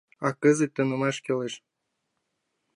А кызыт тунемаш кӱлеш.